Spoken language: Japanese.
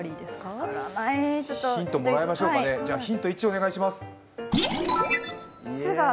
ヒントをもらいましょうか、ヒント１をお願いします。